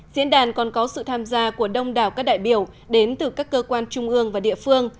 diễn đàn còn có sự tham gia của đông đảo các đại biểu đến từ các cơ quan trung ương và địa phương